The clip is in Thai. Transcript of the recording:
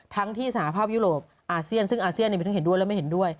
ทั้งที่สหภาพยุโรปอาเซียนซึ่งอาเซียนมีทั้งเห็นด้วยและไม่เห็นด้วย